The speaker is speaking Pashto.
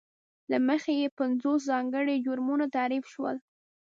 له مخې یې پینځوس ځانګړي جرمونه تعریف شول.